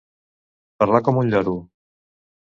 Parlar com un lloro.